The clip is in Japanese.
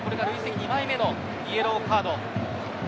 ２枚目のイエローカード。